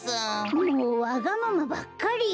もうわがままばっかり！